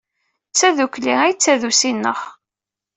D tadukli ay d tadusi-nneɣ!